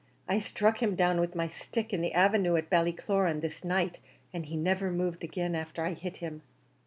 I struck him down with my stick in the avenue at Ballycloran, this night, and he niver moved agin afther I hit him."